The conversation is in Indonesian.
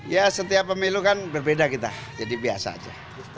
ya setiap pemilu kan berbeda kita jadi biasa aja